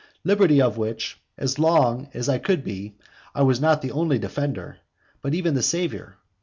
Liberty, of which, as long as I could be, I was not only the defender, but even the saviour.